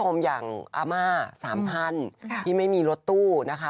คุณผู้ชมอย่างอาม่า๓ท่านที่ไม่มีรถตู้นะคะ